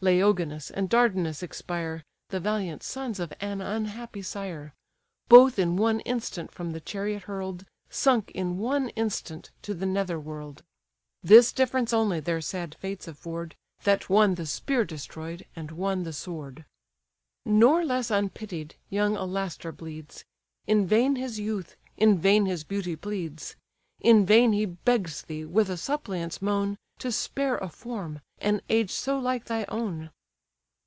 Laoganus and Dardanus expire, The valiant sons of an unhappy sire; Both in one instant from the chariot hurl'd, Sunk in one instant to the nether world: This difference only their sad fates afford That one the spear destroy'd, and one the sword. Nor less unpitied, young Alastor bleeds; In vain his youth, in vain his beauty pleads; In vain he begs thee, with a suppliant's moan, To spare a form, an age so like thy own!